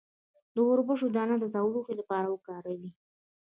د وربشو دانه د تودوخې لپاره وکاروئ